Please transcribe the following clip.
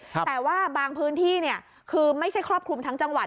แต่ว่าบางพื้นที่เนี่ยคือไม่ใช่ครอบคลุมทั้งจังหวัด